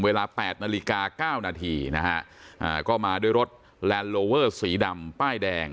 เวลาแปดนาฬิกาเก้านาทีนะฮะอ่าก็มาด้วยรถสีดำป้ายแดง